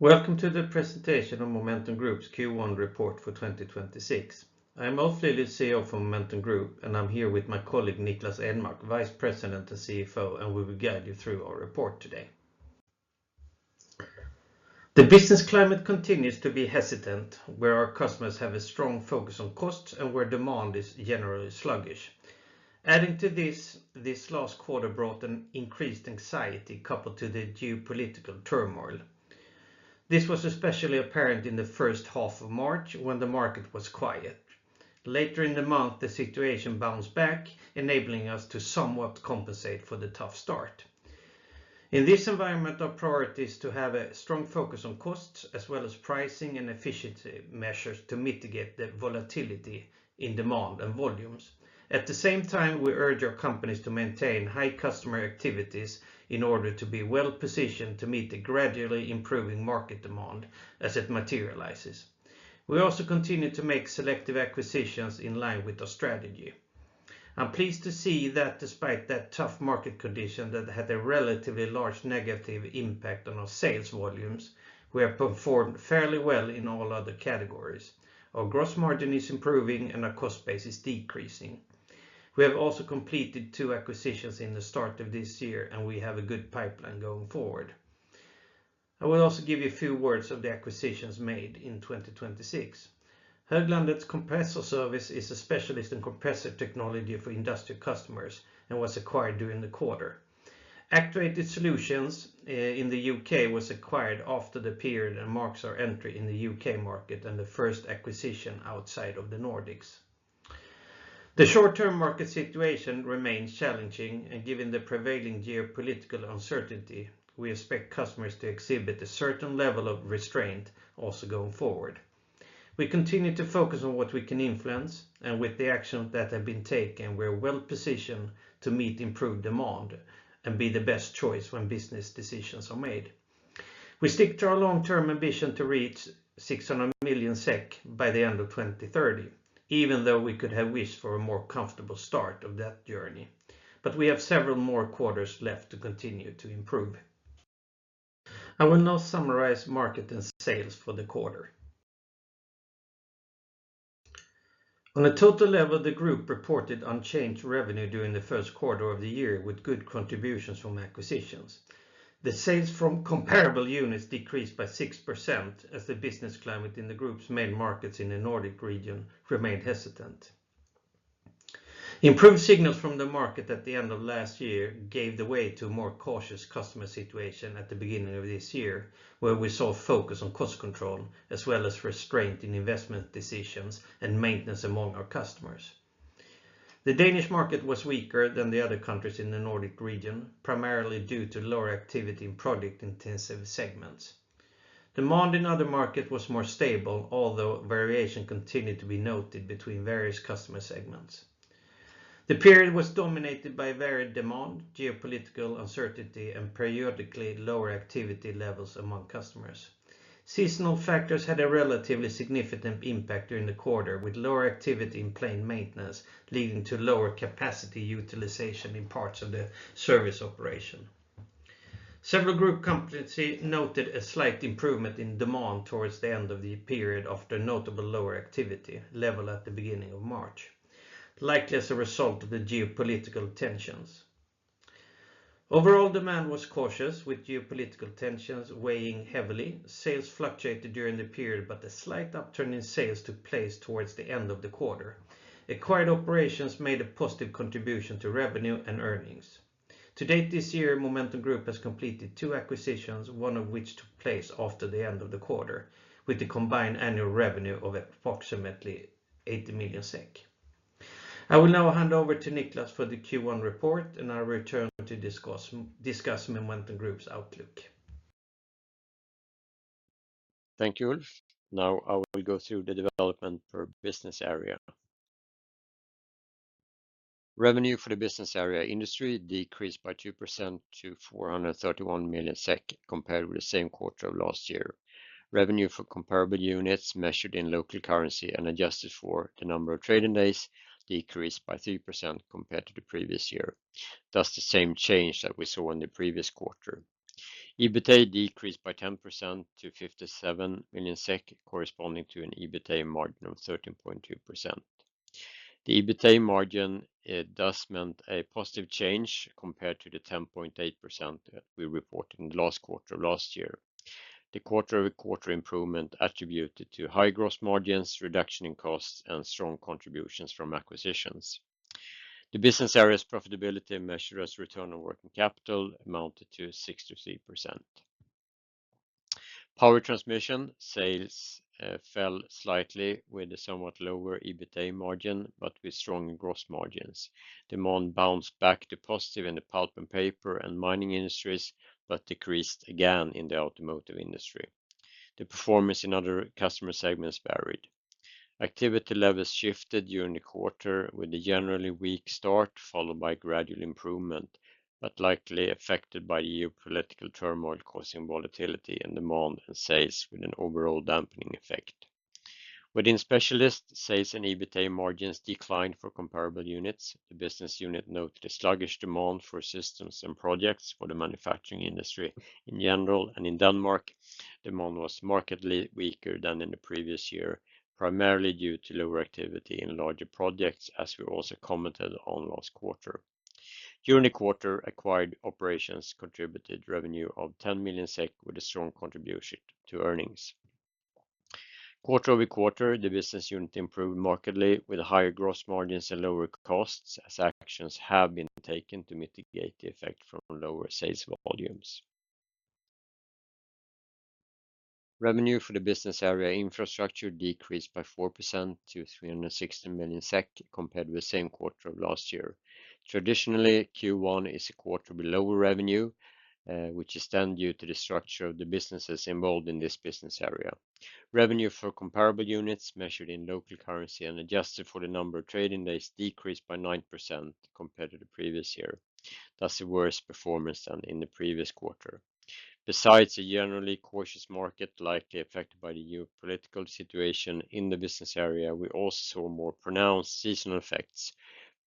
Welcome to the presentation of Momentum Group's Q1 report for 2026. I'm Ulf Lilius, CEO for Momentum Group, and I'm here with my colleague Niklas Enmark, Vice President and CFO, and we will guide you through our report today. The business climate continues to be hesitant, where our customers have a strong focus on costs and where demand is generally sluggish. Adding to this last quarter brought an increased anxiety coupled to the geopolitical turmoil. This was especially apparent in the first half of March, when the market was quiet. Later in the month, the situation bounced back, enabling us to somewhat compensate for the tough start. In this environment, our priority is to have a strong focus on costs, as well as pricing and efficiency measures to mitigate the volatility in demand and volumes. At the same time, we urge our companies to maintain high customer activities in order to be well-positioned to meet the gradually improving market demand as it materializes. We also continue to make selective acquisitions in line with our strategy. I'm pleased to see that despite that tough market condition that had a relatively large negative impact on our sales volumes, we have performed fairly well in all other categories. Our gross margin is improving and our cost base is decreasing. We have also completed two acquisitions in the start of this year, and we have a good pipeline going forward. I will also give you a few words of the acquisitions made in 2026. Höglandets Kompressorservice is a specialist in compressor technology for industrial customers and was acquired during the quarter. Actuated Solutions in the U.K. was acquired after the period and marks our entry in the U.K. market and the first acquisition outside of the Nordics. The short-term market situation remains challenging, and given the prevailing geopolitical uncertainty, we expect customers to exhibit a certain level of restraint also going forward. We continue to focus on what we can influence, and with the actions that have been taken, we're well-positioned to meet improved demand and be the best choice when business decisions are made. We stick to our long-term ambition to reach 600 million SEK by the end of 2030, even though we could have wished for a more comfortable start of that journey. We have several more quarters left to continue to improve. I will now summarize market and sales for the quarter. On a total level, Momentum Group reported unchanged revenue during the first quarter of the year with good contributions from acquisitions. The sales from comparable units decreased by 6% as the business climate in the group's main markets in the Nordic region remained hesitant. Improved signals from the market at the end of last year gave the way to a more cautious customer situation at the beginning of this year, where we saw a focus on cost control, as well as restraint in investment decisions and maintenance among our customers. The Danish market was weaker than the other countries in the Nordic region, primarily due to lower activity in project-intensive segments. Demand in other markets was more stable, although variation continued to be noted between various customer segments. The period was dominated by varied demand, geopolitical uncertainty, and periodically lower activity levels among customers. Seasonal factors had a relatively significant impact during the quarter, with lower activity in plant maintenance leading to lower capacity utilization in parts of the service operation. Several group companies noted a slight improvement in demand towards the end of the period after notable lower activity level at the beginning of March, likely as a result of the geopolitical tensions. Overall demand was cautious, with geopolitical tensions weighing heavily. Sales fluctuated during the period, but a slight upturn in sales took place towards the end of the quarter. Acquired operations made a positive contribution to revenue and earnings. To date this year, Momentum Group has completed two acquisitions, one of which took place after the end of the quarter, with a combined annual revenue of approximately 80 million SEK. I will now hand over to Niklas for the Q1 report, and I will return to discuss Momentum Group's outlook. Thank you, Ulf. I will go through the development per business area. Revenue for the business area industry decreased by 2% to 431 million SEK compared with the same quarter of last year. Revenue for comparable units measured in local currency and adjusted for the number of trading days decreased by 3% compared to the previous year. That's the same change that we saw in the previous quarter. EBITA decreased by 10% to 57 million SEK, corresponding to an EBITA margin of 13.2%. The EBITA margin did mean a positive change compared to the 10.8% we reported in the last quarter of last year. The quarter-over-quarter improvement attributed to high gross margins, reduction in costs, and strong contributions from acquisitions. The business area's profitability measured as return on working capital amounted to 63%. Power Transmission sales fell slightly with a somewhat lower EBITA margin, with strong gross margins. Demand bounced back to positive in the pulp and paper and mining industries, decreased again in the automotive industry. The performance in other customer segments varied. Activity levels shifted during the quarter with a generally weak start, followed by gradual improvement, likely affected by geopolitical turmoil causing volatility in demand and sales with an overall dampening effect. Within Specialist, sales and EBITDA margins declined for comparable units. The business unit noted sluggish demand for systems and projects for the manufacturing industry in general, in Denmark, demand was markedly weaker than in the previous year, primarily due to lower activity in larger projects, as we also commented on last quarter. During the quarter, acquired operations contributed revenue of 10 million SEK with a strong contribution to earnings. Quarter-over-quarter, the business unit improved markedly with higher gross margins and lower costs as actions have been taken to mitigate the effect from lower sales volumes. Revenue for the business area infrastructure decreased by 4% to 316 million SEK compared with the same quarter of last year. Traditionally, Q1 is a quarter below revenue, which is then due to the structure of the businesses involved in this business area. Revenue for comparable units measured in local currency and adjusted for the number of trading days decreased by 9% compared to the previous year. That's a worse performance than in the previous quarter. Besides a generally cautious market, likely affected by the geopolitical situation in the business area, we also saw more pronounced seasonal effects,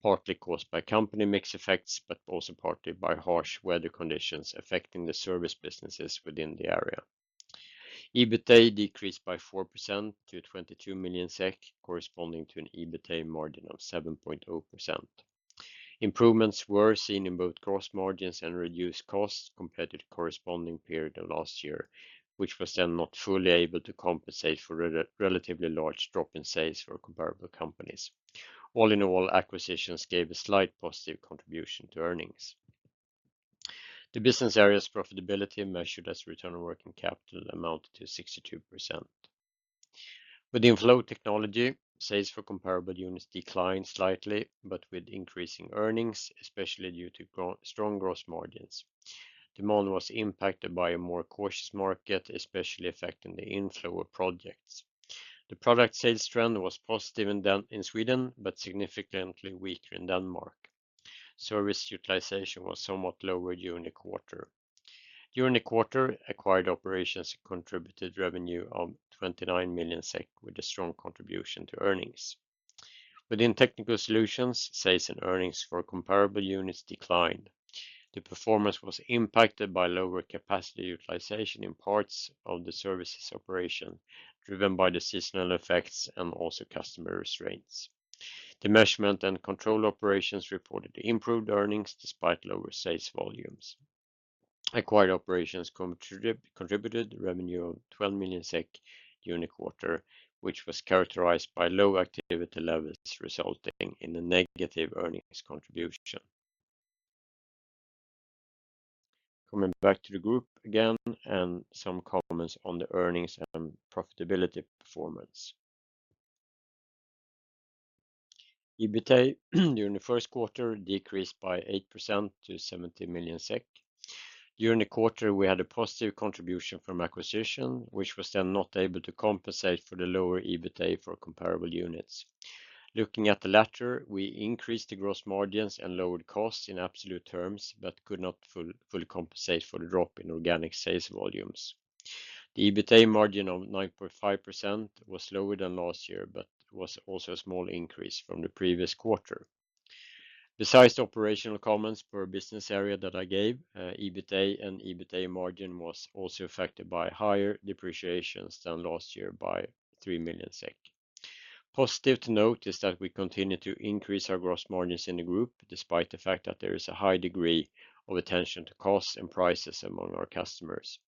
partly caused by company mix effects, but also partly by harsh weather conditions affecting the service businesses within the area. EBITDA decreased by 4% to 22 million SEK, corresponding to an EBITDA margin of 7.0%. Improvements were seen in both gross margins and reduced costs compared to the corresponding period of last year, which was then not fully able to compensate for the relatively large drop in sales for comparable companies. All in all, acquisitions gave a slight positive contribution to earnings. The business area's profitability measured as return on working capital amounted to 62%. Within Flow Technology, sales for comparable units declined slightly, but with increasing earnings, especially due to strong gross margins. Demand was impacted by a more cautious market, especially affecting the inflow of projects. The product sales trend was positive in Sweden, but significantly weaker in Denmark. Service utilization was somewhat lower during the quarter. During the quarter, acquired operations contributed revenue of 29 million SEK with a strong contribution to earnings. Within Technical Solutions, sales and earnings for comparable units declined. The performance was impacted by lower capacity utilization in parts of the services operation, driven by the seasonal effects and also customer restraints. The Measurement and Control operations reported improved earnings despite lower sales volumes. Acquired operations contributed revenue of 12 million SEK during the quarter, which was characterized by low activity levels, resulting in a negative earnings contribution. Coming back to the group again and some comments on the earnings and profitability performance. EBITDA during the first quarter decreased by 8% to 70 million SEK. During the quarter, we had a positive contribution from acquisition, which was then not able to compensate for the lower EBITDA for comparable units. Looking at the latter, we increased the gross margins and lowered costs in absolute terms, but could not fully compensate for the drop in organic sales volumes. The EBITDA margin of 9.5% was lower than last year, but was also a small increase from the previous quarter. Besides the operational comments for a business area that I gave, EBITDA and EBITDA margin was also affected by higher depreciations than last year by 3 million SEK. Positive to note is that we continue to increase our gross margins in the group, despite the fact that there is a high degree of attention to costs and prices among our customers.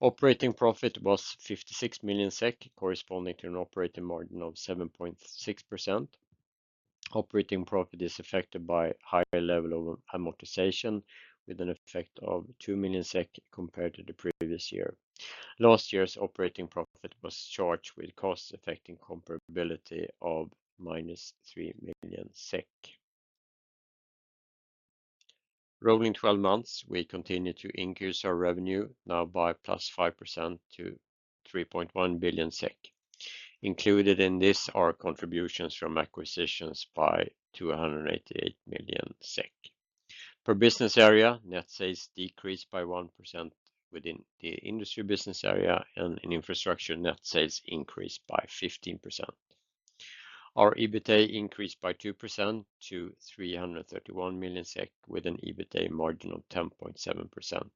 Operating profit was 56 million SEK, corresponding to an operating margin of 7.6%. Operating profit is affected by higher level of amortization with an effect of 2 million SEK compared to the previous year. Last year's operating profit was charged with costs affecting comparability of minus 3 million SEK. Rolling 12 months, we continued to increase our revenue now by plus 5% to 3.1 billion SEK. Included in this are contributions from acquisitions by 288 million SEK. Per business area, net sales decreased by 1% within the Industry business area, and in Infrastructure, net sales increased by 15%. Our EBITDA increased by 2% to 331 million SEK with an EBITDA margin of 10.7%.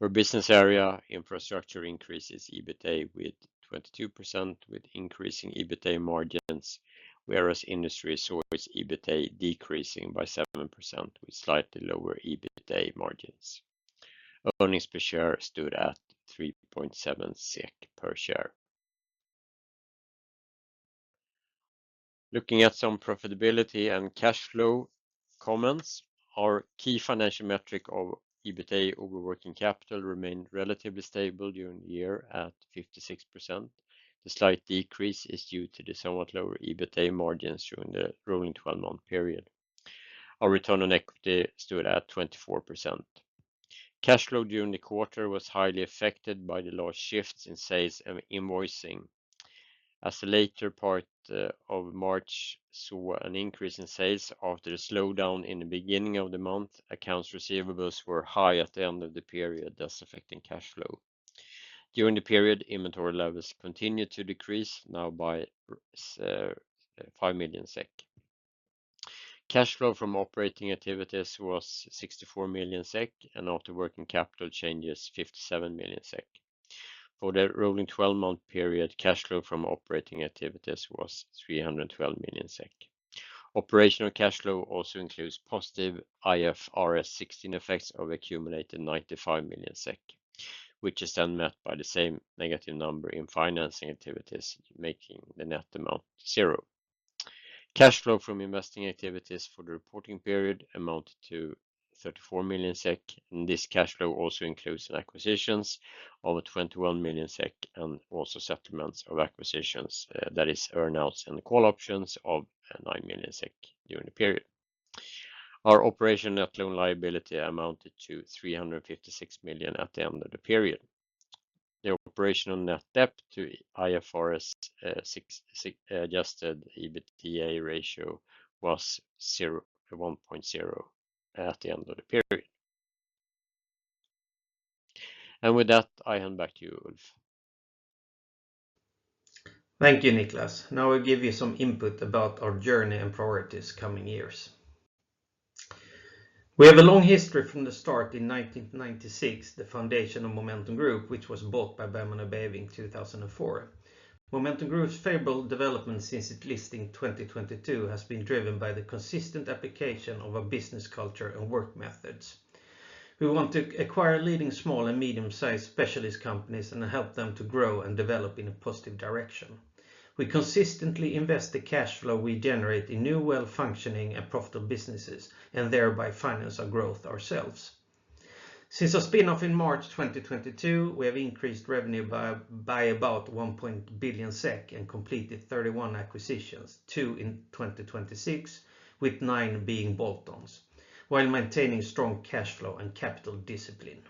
Per business area, Infrastructure increases EBITDA with 22% with increasing EBITDA margins, whereas Industry saw its EBITDA decreasing by 7% with slightly lower EBITDA margins. Earnings per share stood at 3.7 SEK per share. Looking at some profitability and cash flow comments, our key financial metric of EBITDA over working capital remained relatively stable during the year at 56%. The slight decrease is due to the somewhat lower EBITDA margins during the rolling 12-month period. Our return on equity stood at 24%. Cash flow during the quarter was highly affected by the large shifts in sales and invoicing. As the latter part of March saw an increase in sales after a slowdown in the beginning of the month, accounts receivables were high at the end of the period, thus affecting cash flow. During the period, inventory levels continued to decrease, now by 5 million SEK. Cash flow from operating activities was 64 million SEK, and after working capital changes, 57 million SEK. For the rolling 12-month period, cash flow from operating activities was 312 million SEK. Operational cash flow also includes positive IFRS 16 effects of accumulated 95 million SEK, which is met by the same negative number in financing activities, making the net amount zero. Cash flow from investing activities for the reporting period amounted to 34 million SEK. This cash flow also includes acquisitions of 21 million SEK and also settlements of acquisitions, that is earn-outs and call options of 9 million SEK during the period. Our operational net loan liability amounted to 356 million at the end of the period. The operational net debt to IFRS 16-adjusted EBITDA ratio was 1.0 at the end of the period. With that, I hand back to you, Ulf. Thank you, Niklas. I give you some input about our journey and priorities coming years. We have a long history from the start in 1996, the foundation of Momentum Group, which was bought by Bergman & Beving in 2004. Momentum Group's favorable development since its listing in 2022 has been driven by the consistent application of a business culture and work methods. We want to acquire leading small and medium-sized specialist companies and help them to grow and develop in a positive direction. We consistently invest the cash flow we generate in new well-functioning and profitable businesses and thereby finance our growth ourselves. Since our spin-off in March 2022, we have increased revenue by about 1 billion SEK and completed 31 acquisitions, two in 2026, with nine being bolt-ons, while maintaining strong cash flow and capital discipline.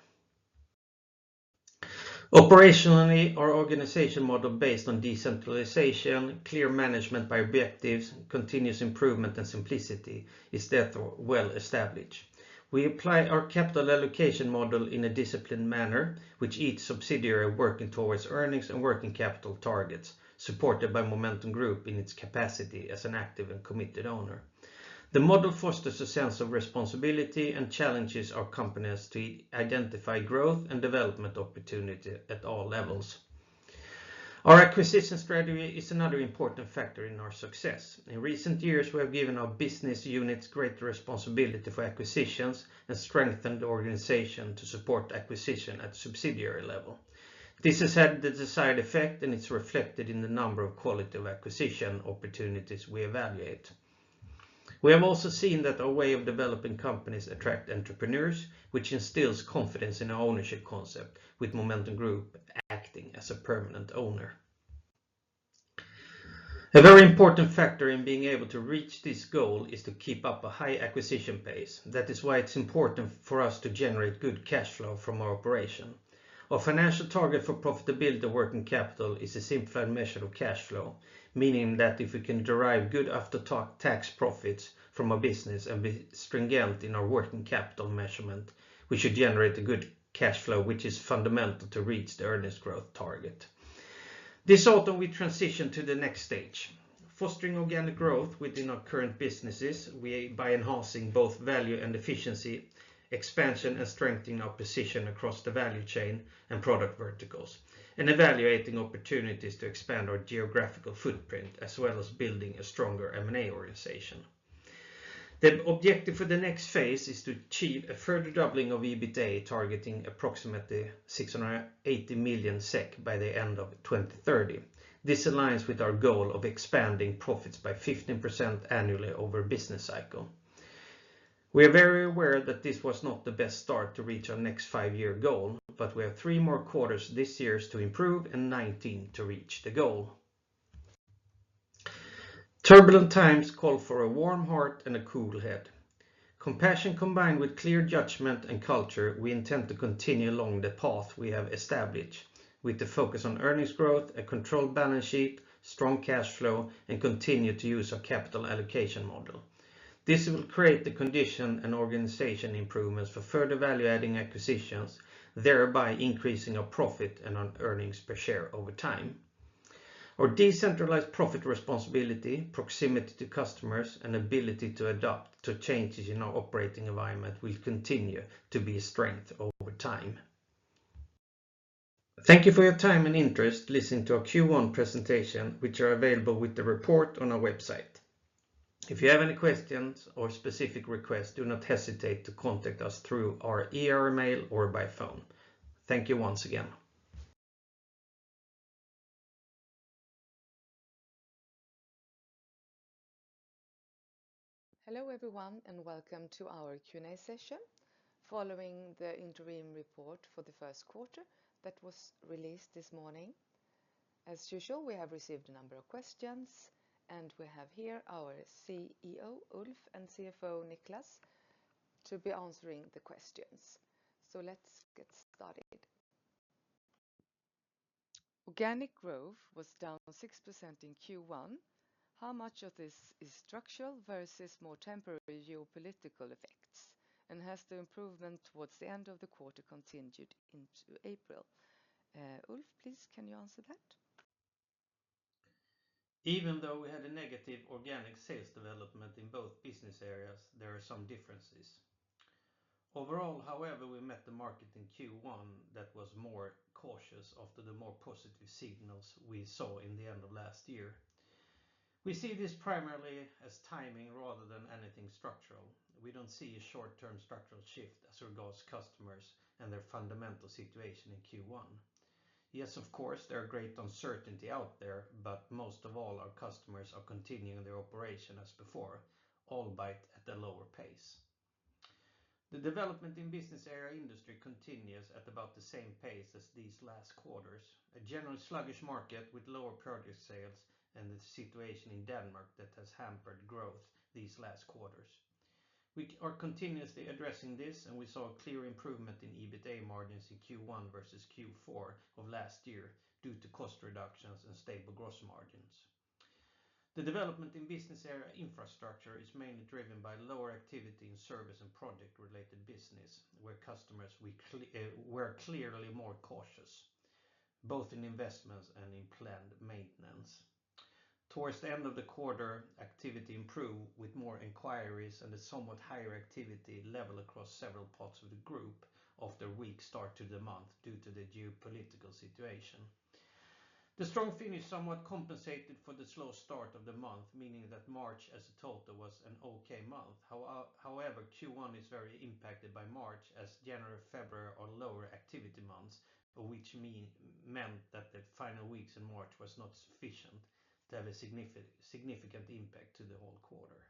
Operationally, our organization model based on decentralization, clear management by objectives, continuous improvement, and simplicity is therefore well established. We apply our capital allocation model in a disciplined manner, with each subsidiary working towards earnings and working capital targets, supported by Momentum Group in its capacity as an active and committed owner. The model fosters a sense of responsibility and challenges our companies to identify growth and development opportunities at all levels. Our acquisition strategy is another important factor in our success. In recent years, we have given our business units greater responsibility for acquisitions and strengthened the organization to support acquisition at the subsidiary level. This has had the desired effect, and it's reflected in the number of quality of acquisition opportunities we evaluate. We have also seen that our way of developing companies attract entrepreneurs, which instills confidence in our ownership concept, with Momentum Group acting as a permanent owner. A very important factor in being able to reach this goal is to keep up a high acquisition pace. It's important for us to generate good cash flow from our operation. Our financial target for profitability working capital is a simplified measure of cash flow, meaning that if we can derive good after-tax profits from a business and be stringent in our working capital measurement, we should generate a good cash flow, which is fundamental to reach the earnings growth target. This autumn, we transition to the next stage, fostering organic growth within our current businesses by enhancing both value and efficiency, expansion, and strengthening our position across the value chain and product verticals, and evaluating opportunities to expand our geographical footprint, as well as building a stronger M&A organization. The objective for the next phase is to achieve a further doubling of EBITDA, targeting approximately 680 million SEK by the end of 2030. This aligns with our goal of expanding profits by 15% annually over a business cycle. We are very aware that this was not the best start to reach our next five-year goal, but we have three more quarters this year to improve and 19 to reach the goal. Turbulent times call for a warm heart and a cool head. Compassion combined with clear judgment and culture, we intend to continue along the path we have established, with the focus on earnings growth, a controlled balance sheet, strong cash flow, and continue to use our capital allocation model. This will create the condition and organization improvements for further value-adding acquisitions, thereby increasing our profit and our earnings per share over time. Our decentralized profit responsibility, proximity to customers, and ability to adapt to changes in our operating environment will continue to be a strength over time. Thank you for your time and interest listening to our Q1 presentation, which are available with the report on our website. If you have any questions or specific requests, do not hesitate to contact us through our email or by phone. Thank you once again. Hello, everyone, and welcome to our Q&A session following the interim report for the first quarter that was released this morning. As usual, we have received a number of questions, and we have here our CEO, Ulf, and CFO, Niklas, to be answering the questions. Let's get started. Organic growth was down 6% in Q1. How much of this is structural versus more temporary geopolitical effects? Has the improvement towards the end of the quarter continued into April? Ulf, please, can you answer that? Even though we had a negative organic sales development in both business areas, there are some differences. Overall, however, we met the market in Q1 that was more cautious after the more positive signals we saw in the end of last year. We see this primarily as timing rather than anything structural. We don't see a short-term structural shift as regards customers and their fundamental situation in Q1. Yes, of course, there are great uncertainty out there, but most of all, our customers are continuing their operation as before, albeit at a lower pace. The development in business area industry continues at about the same pace as these last quarters. A general sluggish market with lower project sales and the situation in Denmark that has hampered growth these last quarters. We are continuously addressing this, and we saw a clear improvement in EBITDA margins in Q1 versus Q4 of last year due to cost reductions and stable gross margins. The development in business area infrastructure is mainly driven by lower activity in service and project-related business, where customers were clearly more cautious, both in investments and in planned maintenance. Towards the end of the quarter, activity improved with more inquiries and a somewhat higher activity level across several parts of the group after a weak start to the month due to the geopolitical situation. The strong finish somewhat compensated for the slow start of the month, meaning that March as a total was an okay month. Q1 is very impacted by March as January, February are lower activity months, which meant that the final weeks in March was not sufficient to have a significant impact to the whole quarter.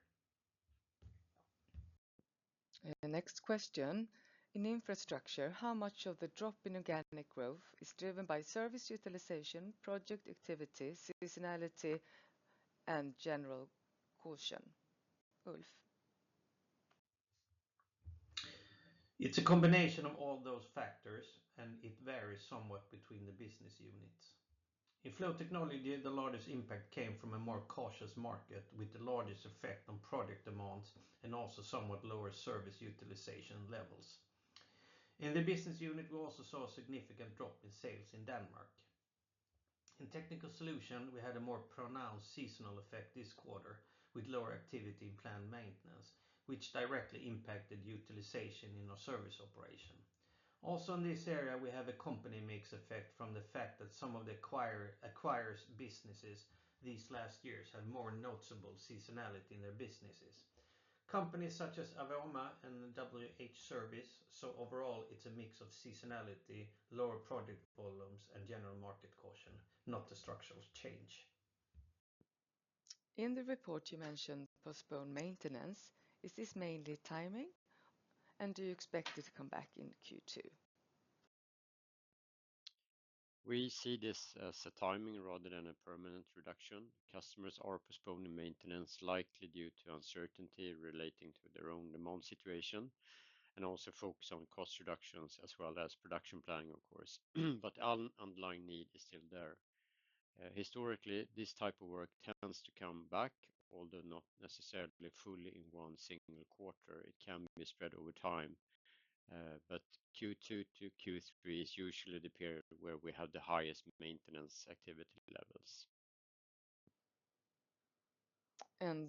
Next question. In infrastructure, how much of the drop in organic growth is driven by service utilization, project activity, seasonality, and general caution? Ulf. It's a combination of all those factors, and it varies somewhat between the business units. In Flow Technology, the largest impact came from a more cautious market with the largest effect on project demands and also somewhat lower service utilization levels. In the business unit, we also saw a significant drop in sales in Denmark. In Technical Solution, we had a more pronounced seasonal effect this quarter with lower activity in plant maintenance, which directly impacted utilization in our service operation. Also in this area, we have a company mix effect from the fact that some of the acquired businesses these last years have more noticeable seasonality in their businesses. Companies such as Avoma and WH-Service. Overall, it's a mix of seasonality, lower project volumes, and general market caution, not a structural change. In the report, you mentioned postponed maintenance. Is this mainly timing, and do you expect it to come back in Q2? We see this as a timing rather than a permanent reduction. Customers are postponing maintenance, likely due to uncertainty relating to their own demand situation, and also focus on cost reductions as well as production planning, of course. Underlying need is still there. Historically, this type of work tends to come back, although not necessarily fully in one single quarter. It can be spread over time. Q2 to Q3 is usually the period where we have the highest maintenance activity levels.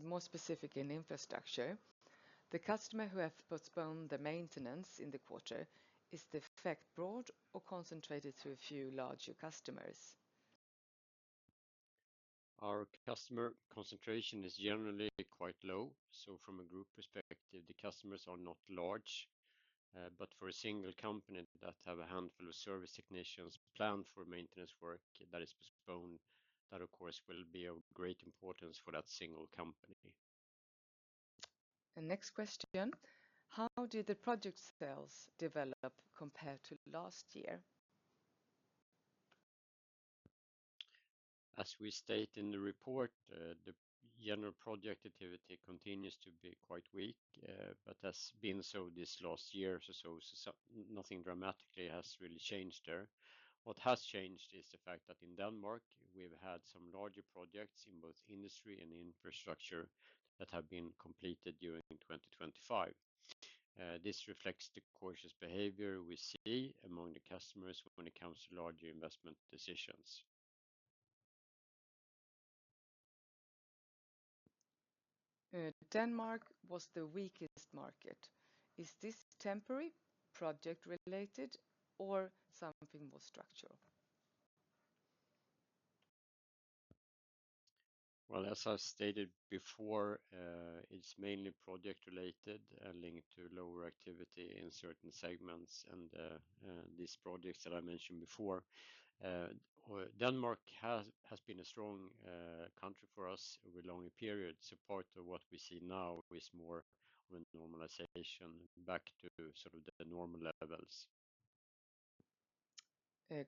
More specifically in infrastructure, the customer who have postponed the maintenance in the quarter, is the effect broad or concentrated to a few larger customers? Our customer concentration is generally quite low. From a group perspective, the customers are not large. For a single company that have a handful of service technicians planned for maintenance work that is postponed, that of course will be of great importance for that single company. The next question, how did the project sales develop compared to last year? As we state in the report, the general project activity continues to be quite weak, but has been so this last year or so. Nothing dramatically has really changed there. What has changed is the fact that in Denmark, we've had some larger projects in both industry and infrastructure that have been completed during 2025. This reflects the cautious behavior we see among the customers when it comes to larger investment decisions. Denmark was the weakest market. Is this temporary, project-related, or something more structural? Well, as I stated before, it's mainly project related and linked to lower activity in certain segments and these projects that I mentioned before. Denmark has been a strong country for us over a longer period. Part of what we see now is more of a normalization back to sort of the normal levels.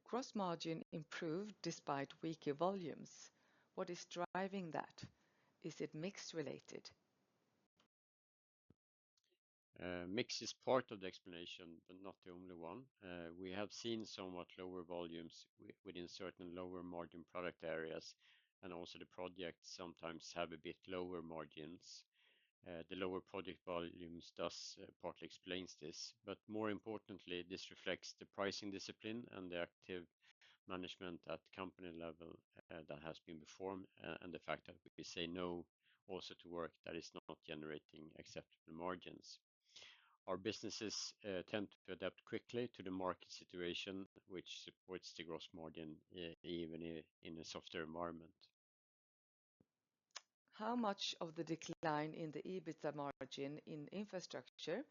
Gross margin improved despite weaker volumes. What is driving that? Is it mix related? Mix is part of the explanation, not the only one. We have seen somewhat lower volumes within certain lower margin product areas, and also the projects sometimes have a bit lower margins. The lower project volumes does partly explains this. More importantly, this reflects the pricing discipline and the active management at company level that has been performed, and the fact that we say no also to work that is not generating acceptable margins. Our businesses tend to adapt quickly to the market situation, which supports the gross margin even in a softer environment. How much of the decline in the EBITDA margin in infrastructure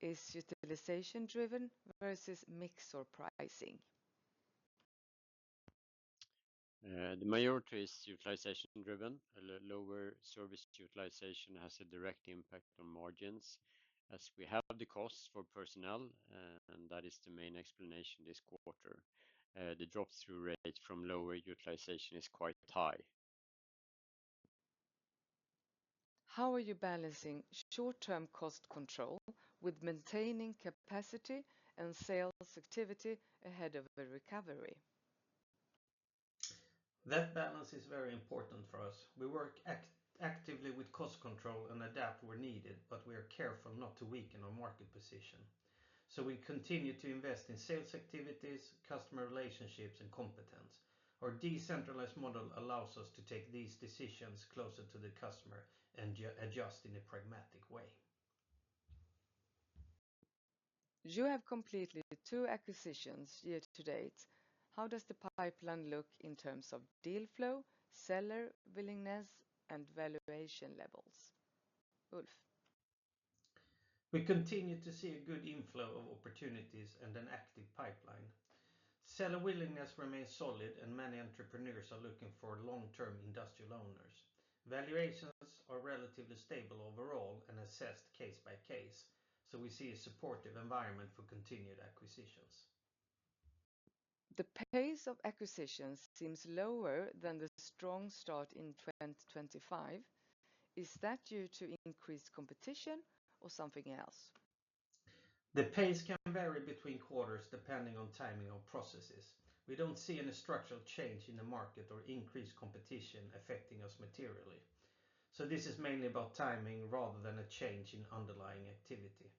is utilization driven versus mix or pricing? The majority is utilization driven. Lower service utilization has a direct impact on margins as we have the costs for personnel, and that is the main explanation this quarter. The drop-through rate from lower utilization is quite high. How are you balancing short-term cost control with maintaining capacity and sales activity ahead of a recovery? That balance is very important for us. We work actively with cost control and adapt where needed, but we are careful not to weaken our market position. We continue to invest in sales activities, customer relationships, and competence. Our decentralized model allows us to make these decisions closer to the customer and adjust in a pragmatic way. You have completed two acquisitions year to date. How does the pipeline look in terms of deal flow, seller willingness, and valuation levels? Ulf. We continue to see a good inflow of opportunities and an active pipeline. Seller willingness remains solid and many entrepreneurs are looking for long-term industrial owners. Valuations are relatively stable overall and assessed case by case. We see a supportive environment for continued acquisitions. The pace of acquisitions seems lower than the strong start in 2025. Is that due to increased competition or something else? The pace can vary between quarters depending on timing of processes. We don't see any structural change in the market or increased competition affecting us materially. This is mainly about timing rather than a change in underlying activity.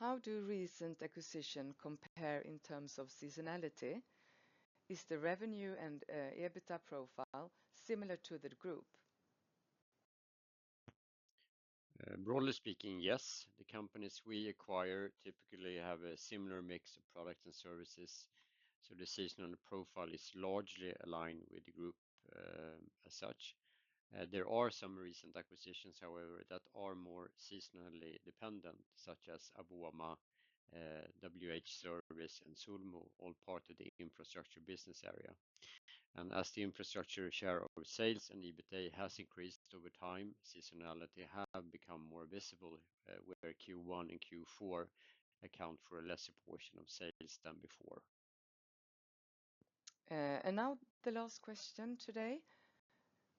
How do recent acquisitions compare in terms of seasonality? Is the revenue and EBITDA profile similar to the group? Broadly speaking, yes. The companies we acquire typically have a similar mix of products and services, so the seasonal profile is largely aligned with the group as such. There are some recent acquisitions, however, that are more seasonally dependent, such as Avoma, WH-Service, and Sulmu, all part of the infrastructure business area. As the infrastructure share of sales and EBITDA has increased over time, seasonality have become more visible, where Q1 and Q4 account for a lesser portion of sales than before. Now the last question today.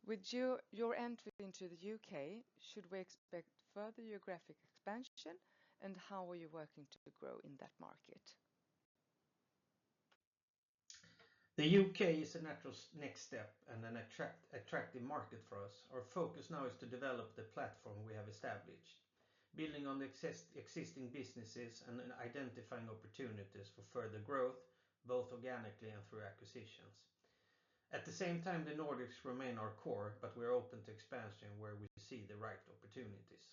With your entry into the U.K., should we expect further geographic expansion, and how are you working to grow in that market? The U.K. is a natural next step and an attractive market for us. Our focus now is to develop the platform we have established, building on the existing businesses and identifying opportunities for further growth, both organically and through acquisitions. At the same time, the Nordics remain our core, but we are open to expansion where we see the right opportunities.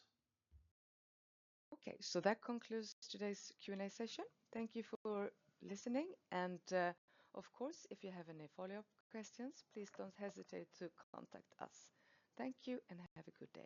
Okay, that concludes today's Q&A session. Thank you for listening. Of course, if you have any follow-up questions, please don't hesitate to contact us. Thank you and have a good day.